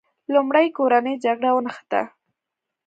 لومړی کورنۍ جګړه ونښته.